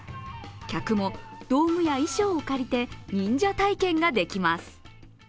客も道具や衣装を借りて忍者体験ができます。